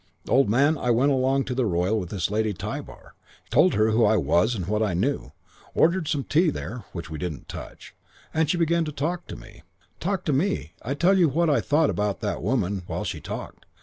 "Old man, I went along to the Royal with this Lady Tybar. Told her who I was and what I knew. Ordered some tea there (which we didn't touch) and she began to talk to me. Talk to me ... I tell you what I thought about that woman while she talked.